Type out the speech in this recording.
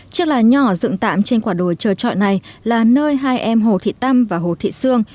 chiếc là nhỏ dựng tạm trên quả đồi chờ trọi này là nơi hai em hồ thị tâm và hồ thị sương